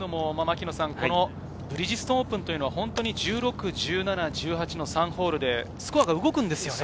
ブリヂストンオープンというのは本当に１６、１７、１８の３ホールでスコアが動くんですよね。